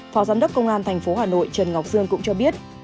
phó giám đốc công an tp hà nội trần ngọc dương cũng cho biết